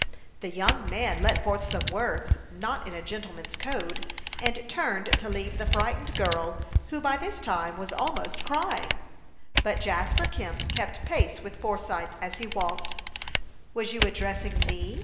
The young man let forth some words not in a gentleman's code, and turned to leave the frightened girl, who by this time was almost crying; but Jasper Kemp kept pace with Forsythe as he walked. "Was you addressing me?"